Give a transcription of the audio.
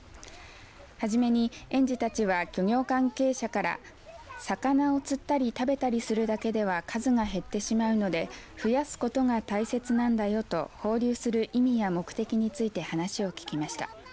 はじめに園児たちは漁業関係者から魚を釣ったり食べたりするだけでは数が減ってしまうので増やすことが大切なんだよと放流する意味や目的について話を聞きました。